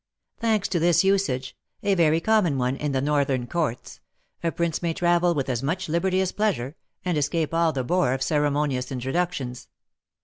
Thanks to this usage (a very common one in the Northern courts), a prince may travel with as much liberty as pleasure, and escape all the bore of ceremonious introductions.